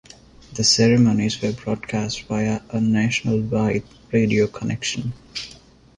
The ceremonies were broadcast via a nationwide radio connection.